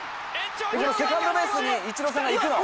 「セカンドベースにイチローさんが行くの！」